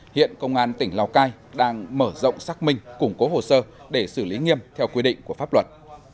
hiện công an tỉnh lào cai đang mở rộng xác minh củng cố hồ sơ để xử lý nghiêm theo quy định của pháp luật